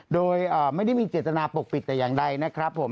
โดยไม่ได้มีเจตนาปกปิดแต่อย่างใดนะครับผม